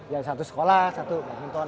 ya satu sekolah satu pak hinton